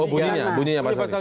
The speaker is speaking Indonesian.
oh bunyinya pasal tiga